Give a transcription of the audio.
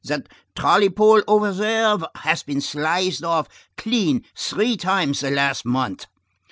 That trolley pole over there has been sliced off clean three times in the last month.